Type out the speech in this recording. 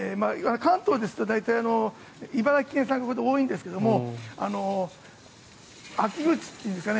関東ですと大体、茨城県産が多いんですけれども秋口というんですかね